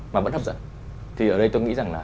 mà vẫn hấp dẫn thì ở đây tôi nghĩ rằng là